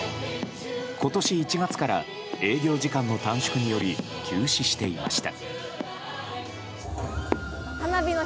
今年１月から営業時間の短縮により休止していました。